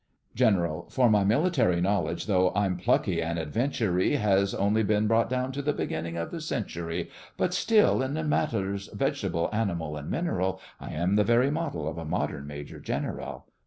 GENERAL: For my military knowledge, though I'm plucky and adventury, Has only been brought down to the beginning of the century; But still, in matters vegetable, animal, and mineral, I am the very model of a modern Major General.